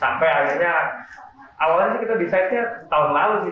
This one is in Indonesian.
sampai akhirnya awalnya kita decide nya tahun lalu sih